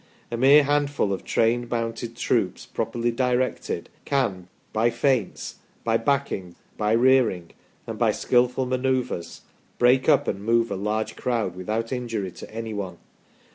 A mere handful of trained mounted troops properly directed, can, by feints, by backing, by rearing, and by skilful manoeuvres, break up and move a large crowd without injury to any one.